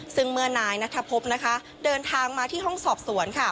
ซึ่งเมื่อนายนัทพบนะคะเดินทางมาที่ห้องสอบสวนค่ะ